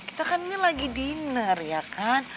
kita kan ini lagi dinner ya kan